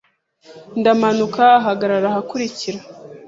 Ndamanuka ahagarara ahakurikira.